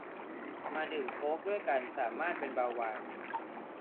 มาดื่มโค้กด้วยกันสามารถเป็นเบาหวาน